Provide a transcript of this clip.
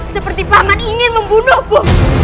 seperti paman ingin membunuhku